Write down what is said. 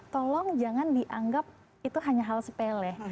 tolong jangan dianggap itu hanya hal sepele